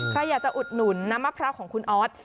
ใครอยากจะอุดหนุนน้ำมะพร้าวของคุณออส